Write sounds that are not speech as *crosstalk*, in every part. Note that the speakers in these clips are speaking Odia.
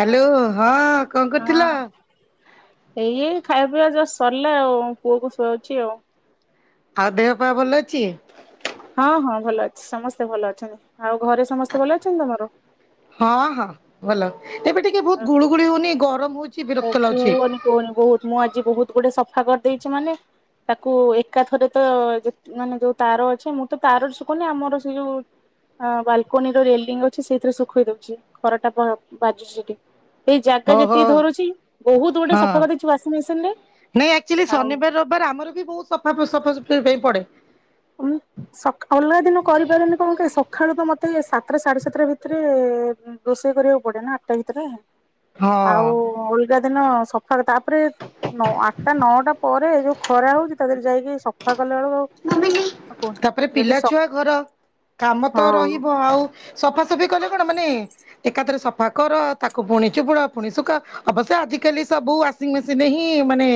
ହ୍ୟାଲୋ ହଁ କଣ କରୁଥିଲ? ହଁ ଏଇ ଖାଇବା ପିଇବା ଜଷ୍ଟ ସରିଲା ଆଉ ପୁଅକୁ ଶୁଆଉଚି ଆଉ। ଆଉ ଦେହ ପା ଭଲ ଅଛି? ହଁ ହଁ ଭଲ ଅଛି ସମସ୍ତେ ଭଲ ଅଛନ୍ତି ଆଉ ଘରେ ସମସ୍ତେ ଭଲ ଅଛନ୍ତି ତମର? ହଁ ହଁ ଭଲ ଏବେ ଟିକେ ବହୁତ ଗୁଳୁ ଗୁଳି ହଉନି ଗରମ ହଉଚି ବିରକ୍ତ ଲାଗୁଚି। କହୁନି ବହୁତ ମୁଁ ଆଜି ବହୁତ ଗୁଟେ ସଫା କରିଦେଇଚି ମାନେ ତାକୁ ଏକା ଥରେ ତ ଯେ ମାନେ ଯୋଉ ତାର ଅଛି ମୁଁ ତାର ଶୁକଉନି ଆମର ସେ ଯୋଉ ହ ବାଲକୋନି ର ରେଲିଙ୍ଗ ଅଛି ସେଇଥିରେ ଶୁଖେଇ ଦଉଚି ଖରାଟା ବା ବାଜୁଚି ସେଠି। ଏଇ ଜାଗା ଓହୋ ଯେତିକି ଧରୁଚି ବହୁତ ଗୋଡେ ହଁ ସଫା କରିଦେଇଚି ଉ୍ୟାସିଂମେସିନ ରେ ଆଉ ର ଆମର ବି ବହୁତ ସଫା ସଫା ସୁତୁର ପାଇଁ ପଡେ। ଉଁ ହଁ ଅଲଗା ଦିନ କରିପାରନି କଣ କି ସକାଳୁ ତ ମତେ ସାତଟା ସାଢେ ସାତଟା ଭିତରେ ରୋଷେଇ କରିବାକୁ ପଡେ ନା ଆଠଟା ଭିତରେ ହଁ ଆଉ ଗା ଦିନ ସକାଳେ ତାପରେ ଆଠଟା ନଅଟା ପରେ ଯୋଉ ଖରା ହଉଚି ତା ଦେହରେ ଯାଇକି ସଫା କଲା ବେଳକୁ ଆଉ କୁହନି ତାପରେ ଯଦି ପିଲା ସକ୍ ଛୁଆ ଘର କାମ ହଁ ତ ରହିବ ଆଉ ସଫାସଫି କଲେ କଣ ମାନେ ଏକାଥରେ ସ ସଫା କର ତାକୁ ପୁଣି ଚିପୁଡ ପୁଣିୁ ଶୁଖାଅ ଅବଶ୍ୟ ଆଜ କାଲି ସବୁ ୱାସିଂ ମେସିନ ହିଁ ମାନେ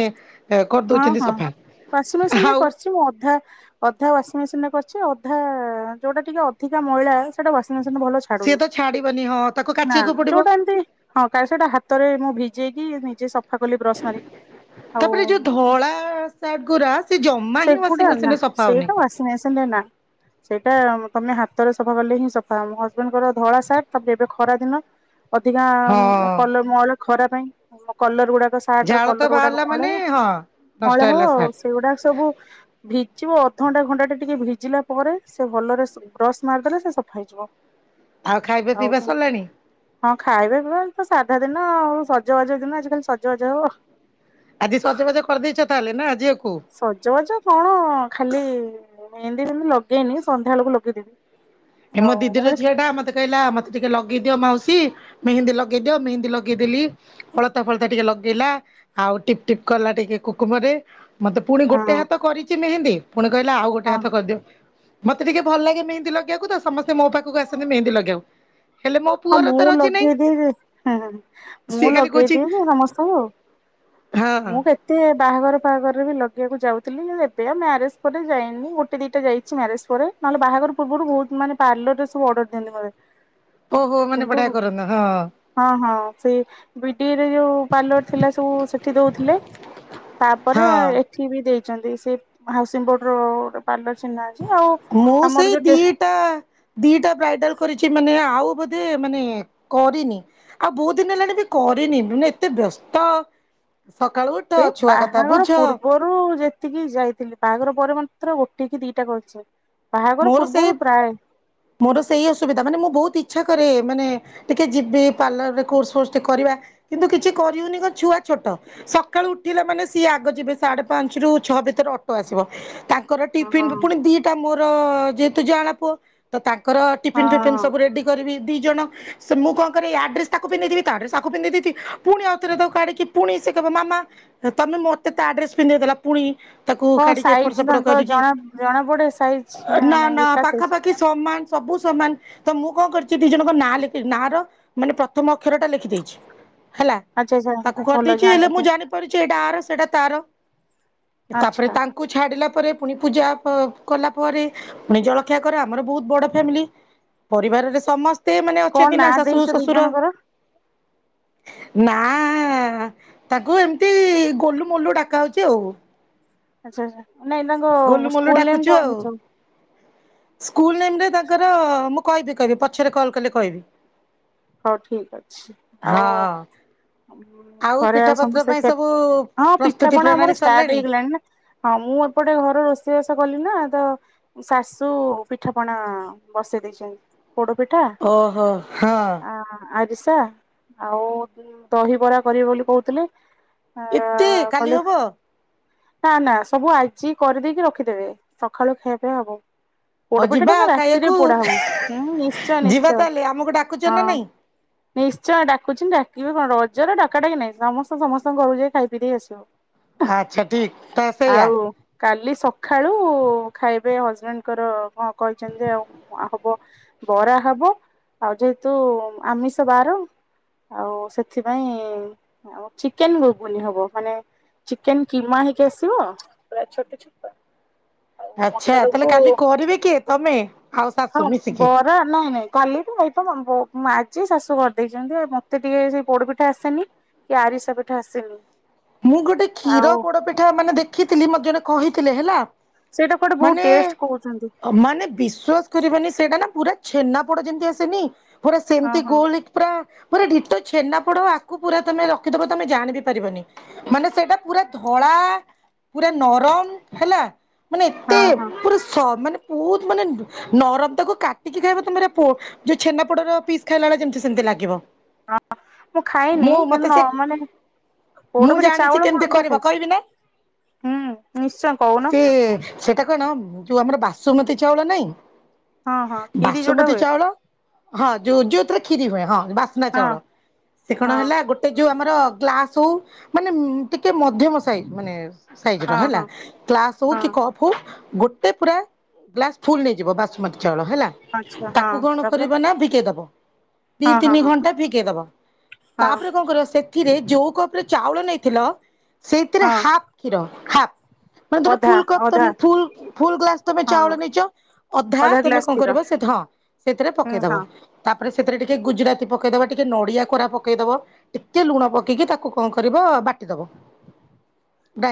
କରିଦଉଛନ୍ତି ସଫା ଆଉ କି ଅଧା *inaudible* ଅଧା ୱାସିଂ ମେସିନ ରେ କରିଚି ଅଧା ଯୋଉଟା ଟିକେ ଅଧିକା ମଇଳା ସେଟା ୱାଂ ମେସିନରେ ଭଲ ସିଏ ଛାଡୁନି ତ ଛାଡିବନି ହଁ ତାକୁ ନା କାଚିବାକୁ ପଡିବ। ଯୋଉ ଟା ଏମନ୍ତି ହଁ କାଳି ସେଟା ହାତରେ ମୁଁ ଭିଜେଇକି ନିଜେ ସଫା କଲି ବ୍ରସ୍ ମାରିକି ଆଉ ତାପରେ ଯୋଉ ଧଳା ସାର୍ଟ ଗୁରା ସେ ଜମା ସେ ହିଁ ୱାସିଂ ଗୁଡା ଆ *inaudible* ନା ମେସିନରେ ସଫା ହଉନି। ସେଇଟା ବସନାେଶଟ ନା ସେଇଟା ତମେ ହାତରେ ସଫା କଲେ ହିଁ ସଫା ହବ ମୋ ହଜବେଣ୍ଡଙ୍କ ଧଳା ସାର୍ଟ ତାପରେ ଏବେ ଖରା ଦିନ। ଅଧିକା ହଁ କଲର ମଳ ଖରା ପାଇଁ କଲର ଗୁଡାକ ସାର୍ଟ ର ଝାଳ ତ କଲର ବାହାରିଲା ଗୁଡାକ ମାନେ ମଇଳା ହଁ ନଷ୍ଟ ମଇଳା ହବ ହେଲା ଆଉ ସାର୍ଟ। ସେଗୁଡାକ ସବୁ ଭିଜୀବ ଅଧଘଣ୍ଟେ ଘଣ୍ଟା ଟେ ଟିକେ ଭିଜିଲା ପରେ ସେ ଭଲରେ ଶୁ ବ୍ରସ୍ ମାରିଦେଲେ ସେ ସଫା ହେଇଯିବ। ଆଉ ଖାଇବା ପିଇବା ସରିଲାଣି। ହଁ ଖାଇବା ପିଇବା ଆଜି ତ ସାଧା ଦିନ ଆଉ ସଜବାଜ ଦିନ ଆଜିିଖାଲି ସଜବାଜ ହବ। ଆଜି ସଜବାଜ କରିଦେଇଚ ତାହାଲେ ନା ଝିଅ କୁ। ସଜବାଜ କଣ ଖାଲି ମେହେଁଦି ଫେହେଁଦି ଲଗେଇନି ସନ୍ଧ୍ୟାବେଳକୁ ଲଗେଇଦେବି। ଏ ମୋ ଆଉ ମୁଁ ଦିଦିର କହିଲି ଝିଅ ଟା ମତେ କହିଲା ମତେ ଟିକେ ଲଗେଇ ଦିଅ ମାଉସି ମେହେନ୍ଦୀ ଲଗେଇଦିଅ ମେହେନ୍ଦୀ ଲଗେଇଦେଲି। ଅଳତା ଫଳତା ଟିକେ ଲଗେଇଲା ଆଉ ଟିପଟିପ୍ କଲା ଟିକେ କୁକୁମରେ। ମତେ ପୁଣି ଗୋଟେ ହଁ ହାତ କରିଚି ମେହେନ୍ଦୀ ପୁଣି କହିଲା ଆଉ ଗୋଟେ ହଁ ହାତ କରିଦିଅ। ମତେ ଟିକେ ଭଲ ଲାଗେ ମେହେନ୍ଦୀ ଲଗେଇବାକୁ ତ ସମସ୍ତେ ମୋ ପାଖକୁ ଆସନ୍ତି ମେହେନ୍ଦୀ ଲଗେଇବାକୁ। ହେଲେ ମୋ ହଁ ପୁଅର ତ ମୁଁ ରଜି ନାହିଁ ଲଗେଇଦେଇ *inaudible* ଛି ହାଁ ହାଁ ସିଏ ମୁଁ ଖାଲି କହୁଛି ଲଗେଇଦିଏ ଯେ ସମସ୍ତଙ୍କୁ। ହଁ। ମୁଁ କେତେ ବାହାଘର ଫାହାଘରରେ ବି ଲଗେଇବାକୁ ଯାଉଥିଲି ଏବେ ଆଉ ମ୍ୟାରେଜ ପରେ ଯାଇନି ଗୋଟେ ଦିଇଟା ଯାଇଚି ମ୍ୟାରେଜ ପରେ। ନହେଲେ ବାହାଘର ପୂର୍ବରୁ ବହୁତ ମାନେ ପାର୍ଲରରେ ସବୁ ଅର୍ଡର ଦିଅନ୍ତି ମୋତେ। ଓହୋ ମାନେ ବଢିଆ କରନ ହ ହଁ ହଁ, ସେଇ ବିଡିଏ ରେ ଯୋଉ ପାର୍ଲର ଥିଲା ସବୁ ସେଠି ଦଉଥିଲେ। ତାପରେ ହଁ। ଏଠିବି ଦେଇଚନ୍ତି ସେ ହାଉସିଂ ବୋର୍ଡର ପାର୍ଲର ଚିହ୍ନା ଅଛି ଆଉ ମୁଁ ଆମର ସେଇ ଯୋଉ ଟେ ଦିଟା ଦିଟା ବ୍ରାଇଡାଲ୍ କରିଛି ମାନେ ଆଉ ବୋଧେ ମାନେ କରିନି। ଆଉ ବହୁତ ଦିନ ହେଲାଣି ବି କରିନି ମାନେ ଏତେ ବ୍ୟସ୍ତ ସକାଳୁ ଉଠ, ଛୁଆ କଥା ବୁଝ। ରୁ ଯେତିକି ଯାଇଥିଲି ବାହାଘର ପରେ ମାତ୍ର ଗୋଟେ କି ଦିଟା କରିଛି। ବାହାଘର ମୋର ସେ ପୂର୍ବରୁ ପ୍ରାୟ ମୋର ସେଇ ଅସୁବିଧା ମାନେ ମୁଁ ବହୁତ ଇଛା କରେ ମାନେ ଟିକେ ଯିବି ପାର୍ଲର ରେ କୋର୍ସ ଫୋର୍ସ ଟିକେ କରିବା, କିନ୍ତୁ କିଛି କରିିହଉନି କଣ ଛୁଆ ଛୋଟ। ସକାଳୁ ଉଠିଲେ ମାନେ ସିଏ ଆଗ ଯିବେ ସାଢେ ପାଞ୍ଚ ରୁ ଛଅ ଭିତରେ ଅଟୋ ଆସିବ। ତା ତାଙ୍କର ହଁ ଟିଫିନ ପୁଣି ଦିଟା ମୋର ଯେହେତୁ ଜାଆଁଳା ପୁଅ ତ ତାଙ୍କର ଟିଫନ୍ ଫିଫିନ ହଁ। ସବୁ ରେଡି କରିବି ଦି ଜଣ। ସେ ମୁଁ କଣ କରେ ୟା ଡ୍ରେସ ତାକୁ ପିନ୍ଧେଇ ଦେଇଥିବି ତା ଡ୍ରେସ ଆକୁ ପିନ୍ଧେଇ ଦେଇଥିଵି, ପୁଣି ଆଉଥରେ ତାକୁ କାଢିକି ପୁଣି ସେ କହିବ ମାମା ତମେ ମତେ ତା ଡ୍ରେସ ପିନ୍ଧେଇଦେଲ ପୁଣି ତାକୁ କାଢିକି ଏପଟ ସେପଟ କରିକି ଜଣାପଡେ ସାଇଜ୍ ନା ନାଇଁ ଏକା ସାଇଜ୍। ସମାନ ସବୁ ସମାନ ତ ମୁଁ କଣ କରିଛି ଦି ଜଣଙ୍କ ନାଁ ଲେଖି, ନାଁ ର ମାନେ ପ୍ରଥମ ଅକ୍ଷରଟା ଲେଖିଦେଇଛି ହେଲା। ଆଚ୍ଛା ଆଚ୍ଛା ତାକୁ ଭଲ କରିଦେଇଛି ହେଲେ ଜାଣିବା ମୁଁ ପାଇଁ ଜାଣି ପାରୁଛି ଏଇଟା ଆର ସେଟା ତାର। ତାପରେ ଆଚ୍ଛା। ତାଙ୍କ ଛାଡ଼ିଲା ପରେ ପୁଣି ପୂଜା କ କଲା ପରେ ପୁଣି ଜଳଖିଆ କରେ। ଆମର ବହୁତ ବଡ ଫ୍ୟାମିଲି। ପରିବାରରେ ସମସ୍ ସେ ମାନେ କଣ ଅଛନ୍ତି ନା ନାଁ ଶାଶୁ ଓ ଦେଇଛ ଦି ଶ୍ଵଶୁର। ଜଣଙ୍କର ନାଁ ତାକୁ ଏମିତି ଗୋଲୁ ମୋଲୁ ଡାକା ହଉଛି ଆଉ। ଆଚ୍ଛା ଆଚ୍ଛା, ନାଇଁ ତାଙ୍କ ଗୋଲୁ ମୋଲୁ ସ୍କୁଲ ନେମ୍ ଡାକୁଛୁ କଣ ଆଉ ଦେଇଛ। ସ୍କୁଲ ନେମ୍ ରେ ତାଙ୍କର ମୁଁ କହିବି କହିବି ପଛରେ କଲ୍ କଲେ କହିବି। ହଉ ଠିକ ଅଛି। ଆଉ ହଁ ଘରେ ଆଉ ପିଠାପତ୍ର ସମସ୍ତେ ପାଇଁ ଖିଆ ସବୁ ହଁ, ପ୍ରସ୍ତୁତି ପିଠାପଣା ପ୍ରଣାଳୀ ଆମର ଷ୍ଟାର୍ଟ ସରିଲାଣି? ହେଇଗଲାଣି ନା। ହଁ ମୁଁ ଏପଟେ ଘର ରୋଷେଇବାସ କଲି ନା ତ ଶାଶୁ ପିଠାପଣା ବସେଇ ଦେଇଚନ୍ତି। ପୋଡ ପିଠା ଓହୋ ହଁ। ଆରିସା ଆଉ ଦହିବରା କରିବେ ବୋଲି କହୁଥିଲେ। ଏତେ କାଲି କଲେ। ହବ? ନା ନା ସବୁ ଆଜି କରିଦେଇକି ରଖିଦେବେ, ସଖାଳୁ ଖିଆ ପିଆ ହବ। ହଉ ପୋଡପିଠା ଟା ଯିବା ତ ଆଉ ରାତିରେ ଖାଇବାକୁ ପୋଡା ହବ। ହୁଁ, ନିଶ୍ଚୟ ଯିବା ନିଶ୍ଚୟ। ତାହେଲେ ଆମକୁ ଡାକୁଚି ହଁ। ନିଶ୍ଚୟ ଡାକୁଚନ୍ତି ଡାକିବେ କଣ ରଜରେ ଡକା ଡକି ନାହିଁ ସମସ୍ତେ ସମସ୍ତଙ୍କୁ ଘରକୁ ଯାଇ ଖାଇ ପିଇ ଦେଇ ଆସୁ। ଆଚ୍ଛା ଠିକ ତ ସେଇଆ ଆଉ କାଲି ସଖାଳୁ ଖାଇବେ ହଜବେଣ୍ଡଙ୍କର ହଁ କହିଛନ୍ତି ଯେ ଆଉ ହବ ବରା ହବ, ଆଉ ଯ ଯେହେତୁ ଆମିଷ ବାର ଆଉ ସେଥିପାଇଁ ଆଉ ଚିକେନ୍ ଘୁଗୁନି ହବ। ମାନେ ଚିକେନ୍ କିମା ହେଇକି ଆସିବ, ପୁରା ଛୋଟ ଛୋଟ। ଆଉ ଆଚ୍ଛା, ତାହେଲେ ମଟରକୁ କାଲି କରିବେ କିଏ? ତମେ। ଆଉ ହଁ, ଶାଶୁ ମିଶିକି? ବ ନାଇଁ ନାଇଁ କାଲି କି ଆଇଟମ୍ ହବ। ଆଜି ଶାଶୁ କରିଦେଇଛନ୍ତି ମତେ ଟିକେ ସେଇ ପୋଡ ପିଠା ଆସେନି। କି ଆରିସା ପିଠା ଆସିନି। ମୁଁ ଗୋଟେ କ୍ଷୀର ପୋଡପିଠା ମାନେ ଦେଖିଥିଲି, ମତେ ଜଣେ କହିଥିଲେ ହେଲା। ସେଇଟା କୁଆଡେ ବହୁତ ମାନେ, ଟେଷ୍ଟ କହୁଛନ୍ତି ମାନେ ବିଶ୍ୱାସ୍ କରିବନି, ସେଇଟା ନା ପୁରା ଛେନାପୋଡ ଯେମିତି ଆସେନି, ପୁରା ହଁ ସେମିତି ହଁ ଗୋଲ୍ ହେଇକି ପୁରା ପୁରା ଡିଟୋ ଛେନାପୋଡ, ଆକୁ ପୁରା ତମେ ରଖିଦବ, ତମେ ଜାଣି ବି ପାରିବନି। ମାନେ ସେଇଟା ପୁରା ଧଳା, ପୁରା ନରମ୍ ହେଲା। ମାନେ ଏତେ ହଁ ହଁ ପୁରା ସ, ମାନେ ବହୁତ ମାନେ ନରମ୍, ତାକୁ କାଟିକି ଖାଇବ ତମେ ପୁରା ପୋ ଯୋଉ ଛେନା ପୋଡ ର ପିସ୍ ଖାଇଲା ଭଳିଆ, ଯେମିତି ସେମିତି ଲାଗିବ। ହଁ, ମୁଁ ଖାଇନି ମୁଁ ମତେ କିନ୍ତୁ ସେ ମାନେ ପୋଡ ମୁଁ ପିଠା ଜାଣିଚି ଚାଉଳ କେମିତି ପୋଡ ପିଠା କରିବ, ଖାଇଛି। କହିବି ନା? ହୁଁ ନିଶ୍ଚୟ କହୁନ ସେ ସେଇଟା କଣ, ଯୋଉ ଆମର ବାସୁମତୀ ଚାଉଳ ନାଇଁ, ହଁ ହଁ କ୍ଷୀରି ଯୋଉଟା ବାସୁମତୀ ହୁଏ ଚାଉଳ ହଁ ଯୋଉ ଯୋଉଥିରେ କ୍ଷୀରି ହୁଏ, ହଁ, ବାସ୍ନା ହଁ ଚାଉଳ, ସେ କଣ ହଁ ହେଲା ଗୋଟ୍ ଏ ଯୋଉ ଆମର ଗ୍ଲାସ୍ ହଉ, ମାନେ ଟିକେ ମଧ୍ୟମ ସାଇଜ୍, ମାନେ ସାଇଜ୍ ର ହଁ ହେଲା, ହଁ କ୍ଲାସ ହଉ କି ହଁ କପ୍ ଫୁ, ଗୋଟେ ପୁରା ଗ୍ଲାସ୍ ଫୁଲ୍ ନେଇଯିବ ବାସୁମତୀ ଚାଉଳ ହେଲା। ଆଚ୍ଛା ତାକୁ ହଁ କଣ ତାପରେ କରିବା ନା ଭିକେଇ ଦବ। ଦି ହଁ ହଁ ତିନି ହଁ ଘଣ୍ଟା ଫିକେଇ ଦବ, ହଁ ତାପରେ କଣ କରିବ ସେଥିରେ ଯୋଉ କପ୍ ଚାଉଳ ନେଇଥିଲ, ସେଇଥିରେ ହଁ ହାପ୍ କ୍ଷୀର୍, ହାପ୍ ମାନେ ଧର ଅଧା ଫୁଲକପ୍ ଅଧା ତମେ, ଫୁଲ୍, ଫୁଲ୍ ଗ୍ଲାସ୍ ତମେ ହଁ ଚାଉଳ ନେଇଚ ଅଧା ତମେ ଗ୍ଲାସ କଣ କ୍ଷୀର କରିବ, ସେ ତ, ହଁ, ସେଥିରେ ହୁଁ ପକେଇଦବ। ହଁ ତାପରେ ସେଥିରେ ଟିକେ ଗୁଜୁରାତି ପକେଇ ଦବ, ଟିକେ ନଡିଆ କୋରା ପକେଇ ଦବ, ଟିକେ ଲୁଣ ପକେଇକି ତାକୁ କଣ କରିବ, ବାଟିଦବ,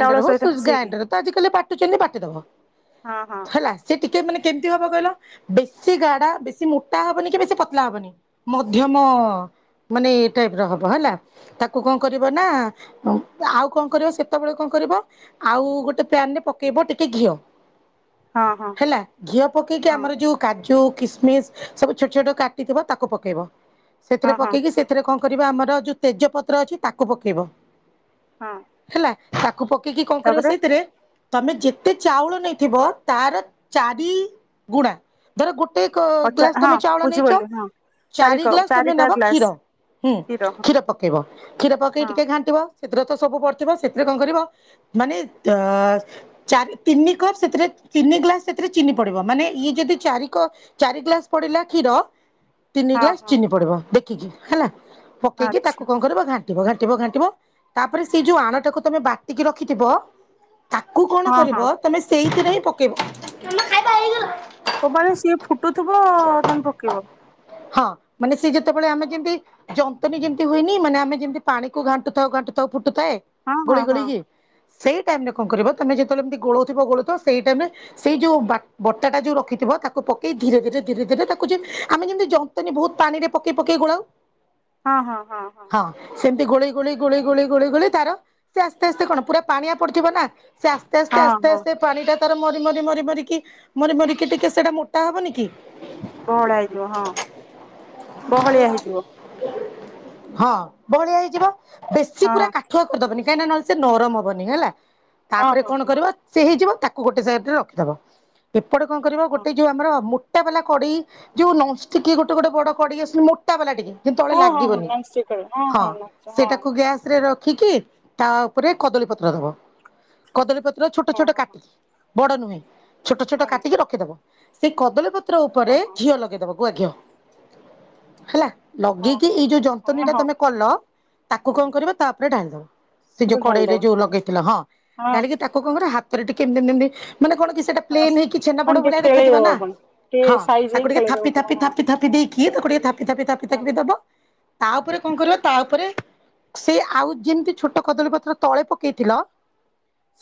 ଚାଉଳ ହଉ ସୁ ସହିତ ମିଶେଇକି ଗ୍ରାଇଣ୍ଡର୍ ତ ଆଜି କାଲି ବାଟୁଚନ୍ତି, ବାଟିଦବ। ହଁ ହଁ। ହେଲା, ସେ ଟିକେ ମାନେ କେମିତି ହବ କହିଲ, ବେଶୀ ଗାଢା, ବେଶୀ ମୋଟା ହବନି କି ବେଶୀ ପତଲା ହବନି। ମଧ୍ୟମ ମାନେ ଏ ଟାଇପ୍ ର ହବ ହେଲା, ତାକୁ କଣ କରିବ ନା, ଆଉ କଣ କରିବ, ସେତେବେଳେ କଣ କରିବ ଆଉ ଗୋଟେ ପ୍ୟାନ୍ ରେ ପକେଇବ ଟିକେ ଘିଅ ହଁ ହଁ ହେଲା ଘିଅ ପକେଇକି ହଁ ଆମର ଯୋଉ କାଜୁ, କିସମିସ୍, ସବୁ ଛୋଟ ଛୋଟ କାଟିଥିବ, ତାକୁ ପକେଇବ, ସେଥିରେ ହଁ ହଁ ପକେଇକି ସେ ଏଥିରେ କଣ କରିବା ଆମର ଯୋଉ ତେଜ ପତ୍ର ଅଛି, ତାକୁ ପକେଇବ। ହଁ ହେଲା, ତାକୁ ପକେଇକି କଣ କରିବ ତାପରେ ସେଇଥିରେ ତମେ ଯେତେ ଚାଉଳ ନେଇଥିବ, ତାର ଚାରି ଗୁଣା ଧର ଗୋଟେ ଅଚା ଗ୍ଲାସ୍ ହଁ ତମେ ଚାଉଳ ନେଇଚ, ବୁଝିପାରିଲି ହଁ ଚାରି କପ୍ ଗ୍ଲାସ୍ ତମେ ଚାରିଟା ନବ ଗ୍ଲାସ କ୍ଷୀର ହୁଁ, କ୍ଷୀର ପକେଇବ, କ୍ଷୀର ପକେଇକ ହଁ ଟିକେ ଘାଣ୍ଟିବ, ସେଥିରେ ତ ସବୁ ପଡିଥିବ ସେଥିରେ କଣ କରିବ ମାନେ ତ ଚାରି, ତିନି କପ୍ ସେଥିରେ ତିନି ଗ୍ଲାସ୍ ସେଥିରେ ଚିନି ପଡିବ, ମାନେ ଇଏ ଯଦି ଚାରି କପ୍ ଚାରି ଗ୍ଲାସ୍ ପଡିଲା କ୍ଷୀର ତିନି ହଁ ଗ୍ଲାସ୍ ହଁ ଚିନି ପଡିବ, ଦେଖିକି ହେଲା, ପକେଇକି ଆଚ୍ଛା ତାକୁ କଣ କରିବ ଘା ଘାଣ୍ଟିବ ଘାଣ୍ଟିବ ଘାଣ୍ଟିବ, ତାପରେ ସେଇ ଯୋଉ ଆଣଟାକୁ ତମେ ବାଟିକି ରଖିଥିବ ତାକୁ କଣ ହଁ ହଁ କରିବ, ତମେ ସେଇଥିରେ ହିଁ ପକେଇବ *unintelligible* ସିଏ ଫୁଟୁଥିବ ତମେ ପକେଇବ। ହଁ ମାନେ ସିଏ ଯେତେବେଳେ ଆମେ ଯେମିତି, ଯନ୍ତନୀ ଯେମିତି ହୁଏନି, ମାନେ ଆମେ ଯେମିତି ପାଣିକୁ ଘାଣ୍ଟୁ ଥାଉ, ଘାଣ୍ଟୁ ଥାଉ, ଫୁଟୁଥାଏ, ହଁ ହଁ ଗୋଳେଇ ହଁ ଗୋଳେଇକି ସେଇ ଟାଇମ୍ ରେ କଣ କରିବ, ତମେ ଯେତେବେଳେ ଏମତି ଗୋଳଉଥିବ, ଗୋଳଉଥିବ, ସେଇ ଟାଇମ୍ ରେ ସେଇ ଯୋଉ ବା ବଟାଟା ଯୋଉ ରଖିଥିବ ତାକୁ ପକେଇ ଧୀରେ ଧୀରେ ଧୀରେ ଧୀରେ ତାକୁ ଯ ଆମେ ଯେମିତି ଜ ନ୍ତୁନେ ବହୁତ ପାଣି ରେ ପକେଇ ପକେଇ ଗୋଳାଉ ହଁ ହଁ ହଁ। ହଁ। ସେମିତି ଗୋଳେଇ ଗୋଳେଇ ଗୋଳିଇ ଗୋଳେଇ ଗୋଳେଇ ଗୋଳେଇ ତାର ସେ ଆସ୍ତେ ଆସ୍ତେ କଣ ପୁରା ପାଣିଆ ପଡିଥିବ ନା ସେ ଆସ୍ତେ ଆସ୍ତେ ଆସ୍ତେ ହଁ ହଁ ଆସ୍ତେ ହଁ ଆସ୍ତେ ପାଣିଟା ତାର ମରି ମରି ମରି ମରିିକି ମରି ମରିିକି ଟିକେ ସେଟା ମୋଟା ହେବନି କି। ବହଡା ଏଇଥିବ ହଁ ବହଳିଆ ହେଇଯିବ। ହଁ ବହଳିଆ ହେଇଯିବ। ବେଶୀ ହଁ ପୁରା କାଠୁଆ କରିଦବନି କାହିଁକି ନହଲେ ସେ ନରମ ହବନି ହେଲା ତାପରେ ହଁ କଣ ହଁ କରିବ ସେ ହେଇଯିବ ତାକୁ ଗୋଟେ ସାଇଟରେ ରଖିଦବ। ଏପଟେ କଣ କରିବ ହଁ ଗୋଟେ ଯୋଉ ଆମର ଅମ ମୋଟା ବାଲା କଢ଼େଇ ଯୋଉ ନନଷ୍ଟିକ ଗୋଟେ ଗୋଟେ ବଡ କଡେଇ ଆସୁନି ମୋଟା ବାଲା ଟିକେ କିନ୍ତୁ ତଳେ ଲାଗିବନି। ସେ କହିବ ହଁ। ହଁ ନିଶ୍ଚୟ ହଁ ସେଟାକୁ ଗ୍ୟାସ ରେ ରଖିକି ତା ଉପରେ କଦଳୀ ପତ୍ର ଦବ। କଦଳୀ ପତ୍ର ଛୋଟ ହଁ ଛୋଟ ହଁ କାଟି ବଡ ନୁହେଁ। ଛୋଟ ଛୋଟ ହଁ କାଟିକି ରଖିଦବ। ସେଇ କଦଳୀ ପତ୍ର ଉପରେ ହଁ ହଁ ଘିଅ ଲଗେଇଦବ ଗୁଆ ଘିଅ। ହେଲା ହଁ ଲଗେଇକି ହଁ ଏଇ ଯୋଉ ଯନ୍ତନୀ ହଁ ଟା ହଁ ହଁ ତମେ କଲ ତାକୁ କଣ କରିବ ତାପ ଉପରେ ଢାଳିଦବ। ସେ ଯୋଉ ତାକୁ କଡେଇରେ ଢାଳିଦବ ଯୋଉ ହଁ ଲଗେଇଥିଲ ହଁ ହଁ ଢାଳିକି ତାକୁ କଣ କରିବ ହାତରେ ଟିକେ ଏମିତି ଏମିତି ଏମିତି ମାନେ କଣ କି ସେଇଟା ପ୍ଲେନ ହେଇକି ଛେନା ପୋଡ ମାନେ ଭଳିଆ ଟିକେ ଦେଖାଯିବ ଖେଳେଇଦବ ନା ଆପଣ ଟିକେ ହଁ ସାଇଜ ତାକୁ ହେଇ ଟିକେ ଖେଳେଇଦବ ଥାପି ତମ ଥାପି ହଁ ଥାପି ଥାପ ପି ଦେଇକି ତାକୁ ଟିକେ ଥାପି ଥାପି ଥାପି ହଁ ଥପିବି ଦବ ତା ଉପରେ କଣ କରିବା ତା ଉପରେ ସେ ଆଉ ଯେମିତି ଛୋଟ କଦଳୀ ପତ୍ର ତଳେ ପକେଇଥିଲ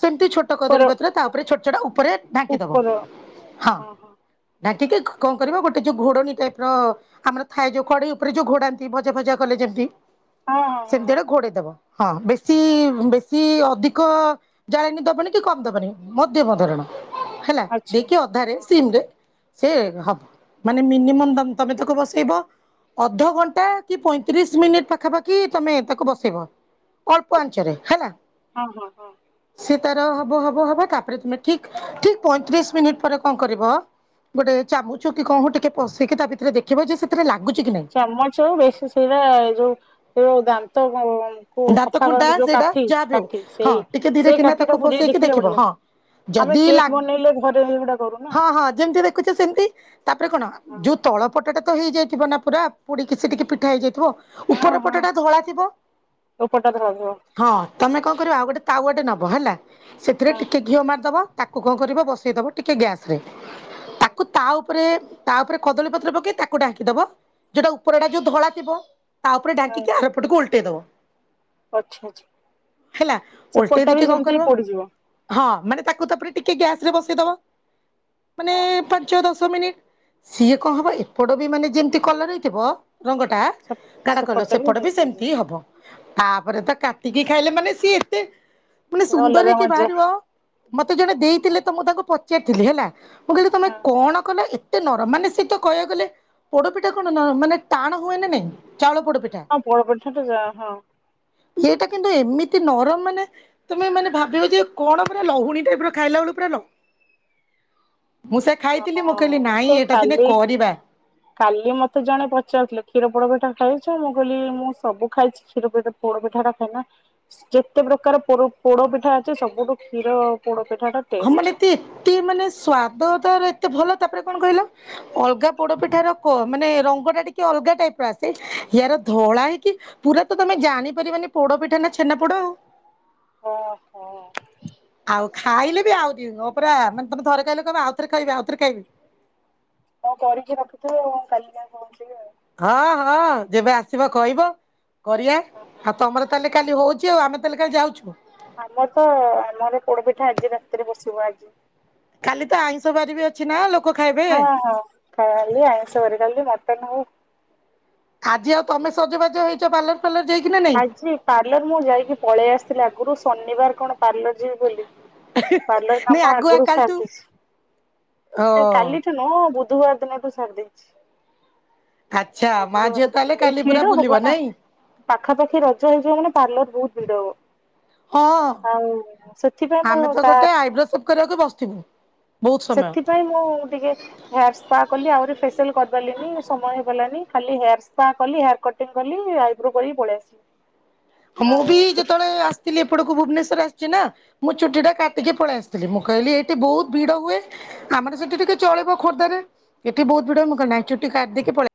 ସେମତି ଛୋଟ ଉପର କଦଳୀପତ୍ର ତା ଉପରେ ଛୋଟ ଛୋଟ ଉପରେ ଢାଙ୍କିଦବ ଉପର ହଁ। ଢାଙ୍କିକି କଣ କରିବ ଗୋଟେ ଯୋଉ ଘୋଡଣୀ ଟାଇପ ର ଆମର ଥାଏ ଯୋଉ କଡେଇ ଉପରେ ଯୋଉ ଘୋଡାନ୍ତି ଭଜା ଫଜା କଲେ ଯେମତି ହଁ ହଁ ହଁ ସେମତିଆ ହଁ ଏଟା ଘୋଡେଇ ଦବ। ହଁ ବେଶୀ ବେଶୀ ଅଧିକ ଜାଳେଣି ଦବନି କି କମ ଦବନି ମଧ୍ୟମ ଧରଣ ହେଲା ଆଚ୍ଛା ଦେଇକି ଅଧାରେ ହଁ ହଁ ସିମରେ ସେ ହବ ମାନେ ମିନିମମ୍ ତମେ ତାକୁ ବସେଇବ ଅଧଘଣ୍ଟା କି ପଇଁ ତିରିଶ ମିନିଟ୍ ପାଖାପାଖି ତମେ ତାକୁ ବସେଇବ। ଅଳ୍ପ ଆଞ୍ଚରେ ହେଲା। ହଁ ହଁ ହଁ ସେ ତାର ହବ ହବ ହବ ତାପରେ ତମେ ଠିକ ଠିକ ପଇଁତିରିଶ ମିନିଟ୍ ପରେ କଣ କରିବ ଗୋଟେ ଚାମୁଚ କି କଣ ଟିକେ ପଶେଇକି ତା ଭିତରେ ଦେଖିବ ଯେ ସେଥିରେ ଲାଗୁଛି କି ନାଇଁ। ଚାମଚ ଆଉ ବେଶୀ ସେଇଟା ଯୋଉ ସେ ଯ ଦାନ୍ତ କୁ ଦାନ୍ତ ସଫା ଖୁଣ୍ଟା କରନ୍ତି ଯୋଉ ସେଇଟା କାଠି ଯାହା ବି କାଠି ହଉ ହଁ ସେଇ ଟିକେ ଧୀରେ ସେଇ କିନା କାଠି ଟା ତାକୁ ପୁରେଇକି ପସେଇକି ଦେଖିଲେ ଦେଖିବ ବଢିଆ ହଁ। ଲାଗେ ଆମେ ଯଦି ଲା କେକ୍ ବନେଇଲେ ଘରେ ଏଗୁଡା କରୁ ନା ହଁ ହଁ ଯେମିତି ଦେଖୁଛ ସେମତି ତାପରେ କଣ ହଁ ଯୋ ତଳ ପଟଟା ତ ହେଇଯାଇଥିବ ନା ପୁରା ପୋଡିକି ସେ ଟିକେ ପିଠା ହେଇଯାଇଥିବ ହଁ ଉପର ହଁ ପଟଟା ଧଳା ଥିବ। ଉପରଟା ଧଳାଥିବ। ହଁ ତମେ କଣ କରିବ ଆଉ ଗୋଟେ ତାଉଆଟେ ନବ ହେଲା ସେଥିରେ ହଁ ଟିକେ ଘିଅ ମାରିଦେବ। ତାକୁ କଣ କରିବ ବସେଇଦବ ଟିକେ ଗ୍ୟାସ ରେ ତାକୁ ତା ଉପରେ ତା ଉପରେ କଦଳୀପତ୍ର ପକେଇ ତାକୁ ଢାଙ୍କି ଦବ ଯଉଟା ଉପରେ ଏଟା ଯୋଉ ଧଳା ଥିବ ତା ଉପରେ ଡାଙ୍କିକି ଆରପଟକୁ ଓଲଟେଇ ଦବ। ଆଚ୍ଛା ଆଚ୍ଛା ହେଲା। ଓଲଟେଇ ସେପଟା ବି ଦେଇକି କଣ ଯେମିତି କରିବ ପୋଡିଯିବ। ହଁ ମାନେ ତାକୁ ତାପରେ ଟିକେ ଗ୍ୟାସରେ ବସେଇଦବ ମାନେ ହଁ ହଁ ପାଞ୍ଚ ଦଶ ମିନିଟ ସିଏ କଣ ହବ ଏପଟ ବି ମାନେ ଯେମିତି କଲର ହେଇଥିବ ରଙ୍ଗଟା ଗାଢ କଲର ସେପଟ ବି ସେମିତି ହବ। ତାପରେ ତ କାଟିକି ଖାଇଲେ ମାନେ ସିଏ ଏତେ ମାନେ ସେ ସୁନ୍ଦର ଅଲଗା ହେଇକି ମଜା ବାହାରିବ ମତେ ଜଣେ ଦେଇଥିଲେ ତ ମୁଁ ତାଙ୍କୁ ପଚାରିଥିଲି ହେଲା ମୁଁ କହିଲି ତମେ ହଁ କଣ? କହିଲା ଏତେ ନରମ ମାନେ ସେହିତ କହିବା ଗଲେ। ପୋଡପିଠା କଣ ନ ମାନେ ଟାଣ ହୁଏନ ନାଇଁ ଚାଉଳ ପୋଡପିଠା। ହଁ ପୋଡ଼ପିଠା ତ ଯା ହଁ। ଏଇଟା କିନ୍ତୁ ଏମିତି ନରମ ମାନେ। ତମେ ମାନେ ଭାବିବ ଯେ କଣ ପୁରା ଲହୁଣୀ ଟାଇପ୍ ର ଖାଇଲା ବଳୁ ପୁରା ଲ ମୁଁ ସେ ଖାଇଥିଲି ମୁଁ କହିଲି ହଁ ନାଇଁ ମତେ ଏଇଟା ଦିନେ କାଲି କରିବା। କାଲି ମତେ ଜଣେ ପଚାରୁଥିଲେ କ୍ଷୀର ପୋଡପିଠା ଖାଇଚ ମୁଁ କହିଲି ମୁଁ ସବୁ ଖାଇଚି। ଖିର ପେ ପୋଡ ପିଠା ଖାଇନା। ଯେତେ ପ୍ରକାର ପୋଡ଼ ପୋଡପିଠା ଅଛି ସବୁଠୁ କ୍ଷୀର ପୋଡ ପିଠା ଟା। ହଁ ମାନେ ଟେଷ୍ଟ। ଏତେ ଏତେ ମାନେ ସ୍ଵାଦ ତାର ଏତେ ଭଲ ତାପରେ କଣ କହିଲ? ଅଲଗା ପୋଡପିଠାର କ ମାନେ ରଙ୍ଗ ଟା ଟିକେ ଅଲଗା ଟାଇପ୍ ର ଆସେ ୟାର ଧଳା ହେଇକି। ପୁରା ତ ତମେ ଜାଣିପାରିବାନି ପୋଡ ପିଠା ନା ଛେନା ପୋଡ ଆଉ। ଓହୋ। ଆଉ ଖାଇଲେ ବି ଆଉ ଦିନ ପରା ମାନେ ତମେ ଥରେ ଖାଇିଲେ କହିବ ଆଉଥରେ ଖାଇବି ଆଉଥରେ ଖାଇବି। ହଁ କରିକି ରଖୁଥୁବ କାଲି *inaudible* ଆଉ। ହଁ ହଁ ଯେବେ ଆସିବ କହିବ କରିବା ଆଉ ତମର ତାହେଲେ କାଲି ହଉଚି ଆଉ ଆମେ ତେଲେ କା ଯାଉଚୁ। ଆମ ତ ଆମର ପୋଡ ପିଠା ଆଜି ରାତିରେ ବସିବ ଆଜି। ଖାଲି ତ ଆଇଁଷ ବାରି ବି ଅଛି ନା ଲୋ ଅ ହ ଖାଇଲି ଆଇଁଷ ବାରି ଡାଲି ମଟନ ହ ଆଜି ଆଉ ତମେ ସଜବାଜ ହେଇଚ ପାଲର। ପାଲର ଯାଇକି ନା ନାଇଁ ଆଜି ପାଲର ମୁଁ ଯାଇକି ପଳେଇ ଆସିଥିଲି ଆଗରୁ ଶନିବାର କଣ ପାଲର ଯିବି ବୋଲି। ପାଲର ନାଇଁ କାମ ଆଗୁଆ ଆଗରୁ କାଲିଠୁ ସାରିଦେଇଛି ଅ କାଲିଠୁ ମୁଁ ବୁଧବାର ଦିନଠୁ ସାରି ଦେଇଛି। ଆଚ୍ଛା ମା ଝିଅ ତାହେଲେ ବୁଧବାର କାଲି ପୁରା ଭିଡ ହବ ବୁଲିବ ନା ନାଇଁ। ପାଖାପାଖି ରଜ ହେଇଯିବ ମାନେ ପାର୍ଲର ବହୁତ ଭିଡ ହବ। ହଁ ଆଉ ସେଥିପାଇଁ ମୁଁ ତା ସେବ୍ କରିବାକୁ ବସଥିମି। ସେଥିପାଇଁ ମୁଁ ଟିକେ ହେୟାର ସ୍ପା କଲି ଆହୁରି ଫେସିଆଲ କରିପାରିଲିନି ସମୟ ହେଇଗଲାନି ଖାଲି ହେୟାର ସ୍ପା କଲି ହେୟାର କଟ୍। କଲି ଆଇବ୍ରୋ କରିକ ପଳେଇ ଆସିଲି। *inaudible* ମୁଁ ଆଉ ବି ସେ ଯେତେବେଳେ ଆସିଥିଲି ଏପଟକୁ ଭୁବନେଶ୍ୱର ଆସିଚି ନା ମୁଁ ଚୁଟି ଟା କାଟିକି ପଳେଇ ଆସେ। ହେ ମୁଁ କହିଲି ଏଇଠି ବହୁତ୍ ଭିଡ଼ ହୁଏ। ଆମର ସେଠି ଟିକେ ଚଳିବ ଖୋର୍ଦ୍ଧାରେ ଏଠି ବହୁତ୍ ଭିଡ ମୁଁ କ ନାଇଁ ଚୁଟି କାଟିକି ପଳେ